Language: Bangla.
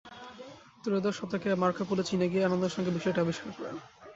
ত্রয়োদশ শতকে মার্কো পোলো চীনে গিয়ে আনন্দের সঙ্গে বিষয়টি আবিষ্কার করেন।